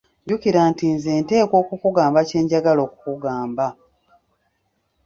Jjukira nti nze nteekwa okukugamba kye njagala okukugamba.